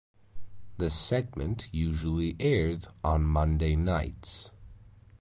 The segment usually aired on Monday nights.